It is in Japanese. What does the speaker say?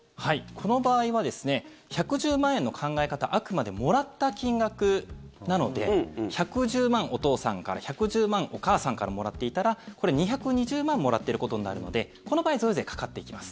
この場合はですね１１０万円の考え方はあくまで、もらった金額なので１１０万、お父さんから１１０万、お母さんからもらっていたら２２０万もらっていることになるのでこの場合は贈与税がかかってきます。